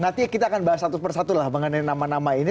nanti kita akan bahas satu persatu lah mengenai nama nama ini